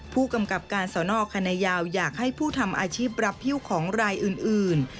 ผู้กำกับการสอนอคณะยาวอยากให้ผู้ทำอาชีพรับฮิ้วของรายอื่น